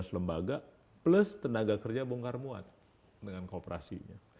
ada tujuh belas lembaga plus tenaga kerja bongkar muat dengan kooperasinya